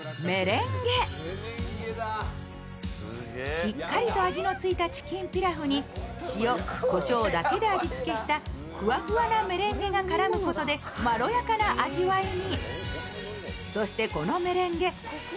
しっかりと味のついたチキンピラフに、塩、こしょうだけで味付けしたふわふわなメレンゲが絡むことでまろやかな味わいに。